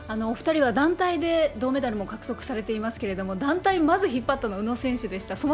お２人は団体で銅メダルも獲得されていますけど、団体、まず引っ張ったのは宇野選手でした。